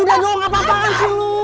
udah dong apa apaan sih lu